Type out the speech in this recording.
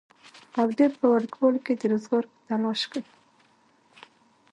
او ډېر پۀ وړوکوالي کښې د روزګار پۀ تالاش کښې